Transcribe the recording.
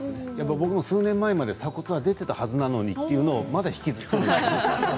僕も数年前までは鎖骨が出ていたはずなのにというのを引きずっています。